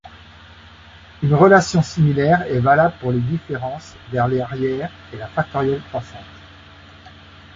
Une relation similaire est valable pour les différences vers l'arrière et la factorielle croissante.